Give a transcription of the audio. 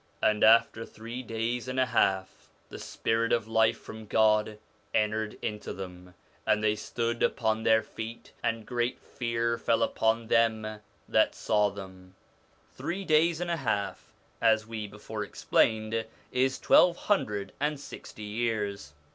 And after three days and a half the spirit of life from God entered into them, and they stood upon their feet: and great fear fell upon them that saw them.' Three days and a half, as we before explained, is twelve hundred and sixty years.